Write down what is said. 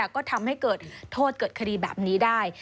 ก็ทำให้เกิดโทษเกิดคดีแบบนี้ได้